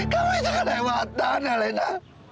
kamu itu kelewatan alena